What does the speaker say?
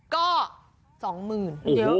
๒๐ก็๒หมื่น